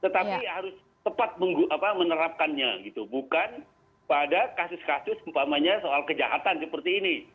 tapi harus tepat menerapkannya bukan pada kasus kasus soal kejahatan seperti ini